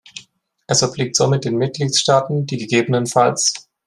Es obliegt somit den Mitgliedstaaten, die ggf.